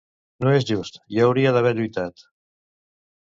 No és just, jo hauria d'haver lluitat.